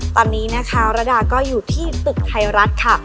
ตอนนี้นะคะระดาก็อยู่ที่ตึกไทยรัฐค่ะ